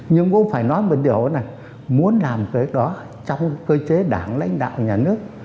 nhưng cũng phải nói một điều là muốn làm việc đó trong cơ chế đảng lãnh đạo nhà nước